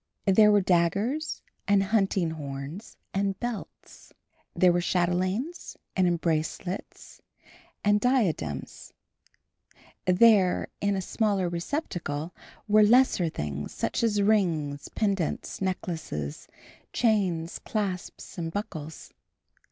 There were daggers and hunting horns and belts. There were chatelaines and embracelets and diadems. Then in a smaller receptacle were lesser things, such as rings, pendants, necklaces, chains, clasps and buckles.